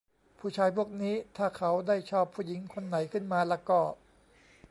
ผู้ชายพวกนี้ถ้าเขาได้ชอบผู้หญิงคนไหนขึ้นมาละก็